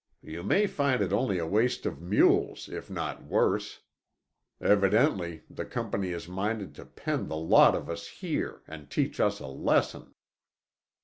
You may find it only a waste of mules, if not worse. Evidently the Company is minded to pen the lot of us here, and teach us a lesson."